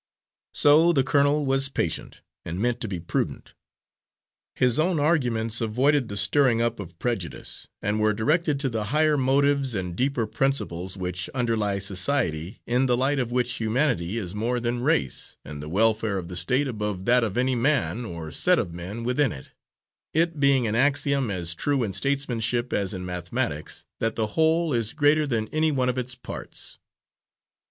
So the colonel was patient, and meant to be prudent. His own arguments avoided the stirring up of prejudice, and were directed to the higher motives and deeper principles which underlie society, in the light of which humanity is more than race, and the welfare of the State above that of any man or set of men within it; it being an axiom as true in statesmanship as in mathematics, that the whole is greater than any one of its parts.